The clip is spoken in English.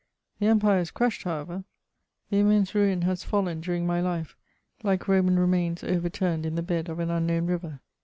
The Empire is crushed, however : the immense ruin has fallen during my life, Uke Roman remains over turned in the hed of an unknown river.